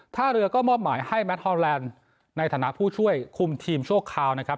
ท่าเรือก็มอบหมายให้แมทฮอลแลนด์ในฐานะผู้ช่วยคุมทีมชั่วคราวนะครับ